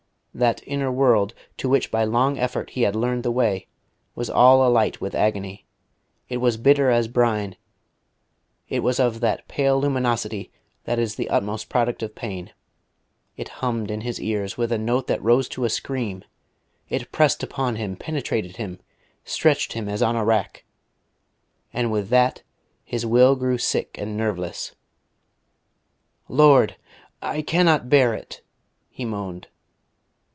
That inner world, to which by long effort he had learned the way, was all alight with agony; it was bitter as brine, it was of that pale luminosity that is the utmost product of pain, it hummed in his ears with a note that rose to a scream ... it pressed upon him, penetrated him, stretched him as on a rack.... And with that his will grew sick and nerveless. "Lord! I cannot bear it!" he moaned....